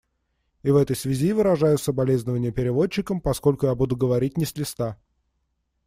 И в этой связи выражаю соболезнование переводчикам, поскольку буду говорить не с листа.